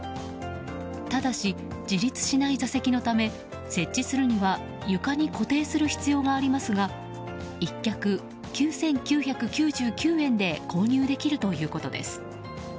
ただし、自立しない座席のため設置するには床に固定する必要がありますが１脚９９９９円で購入できるということです。